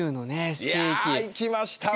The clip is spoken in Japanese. ステーキいやいきましたね！